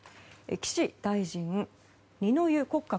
岸大臣二之湯国家